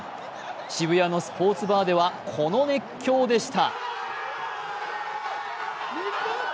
渋谷のスポーツバーではこの熱狂でした。